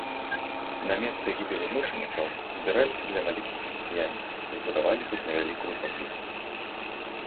На месцы гібелі мучанікаў збіраліся для малітвы хрысціяне і збудавалі тут невялікую капліцу.